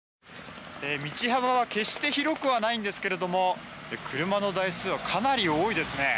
道幅は決して広くはないんですけれども車の台数はかなり多いですね。